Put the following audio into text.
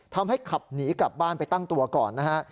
ขับหนีกลับบ้านไปตั้งตัวก่อนนะฮะ